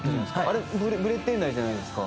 あれブレてないじゃないですか。